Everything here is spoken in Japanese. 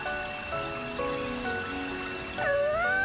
うん！